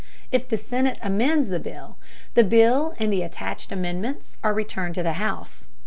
If the Senate amends the bill, the bill and the attached amendments are returned to the House.